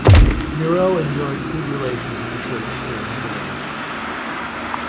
Miro enjoyed good relations with the Church during his reign.